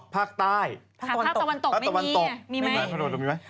ภาคตะวันตกไม่มีภาคตะวันตกมีไหม